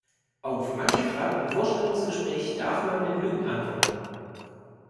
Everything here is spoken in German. Auf manche Fragen im Vorstellungsgespräch darf man mit Lügen antworten.